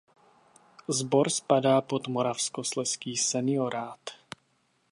Sbor spadá pod Moravskoslezský seniorát.